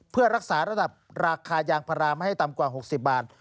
เพื่อรักษาระดับราคายางพาราไม่ให้ต่ำกว่า๖๐บาท